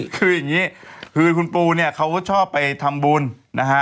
คืออย่างนี้คือคุณปูเนี่ยเขาก็ชอบไปทำบุญนะฮะ